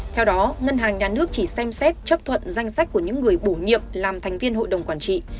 theo đó ngân hàng nhà nước chỉ xem xét chấp thuận danh sách của những người bổ nhiệm làm thành viên hội đồng quản trị